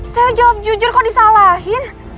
saya jawab jujur kok disalahin